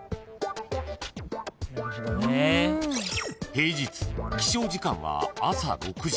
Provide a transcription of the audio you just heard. ［平日起床時間は朝６時］